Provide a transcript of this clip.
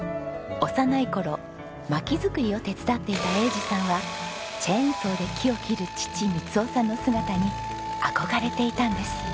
幼い頃薪作りを手伝っていた栄治さんはチェーンソーで木を切る父満雄さんの姿に憧れていたんです。